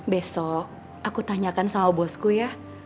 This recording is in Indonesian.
besok aku tanyakan sama bosku ya